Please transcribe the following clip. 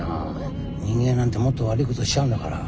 人間なんてもっと悪いことしちゃうんだから。